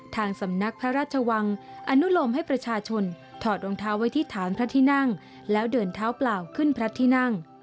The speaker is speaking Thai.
ทางสำนักพระราชวังอนุโลมให้ประชาชนถอดรองเท้าไว้ที่ฐานพระที่นั่งแล้วเดินเท้าเปล่าขึ้นพระที่นั่ง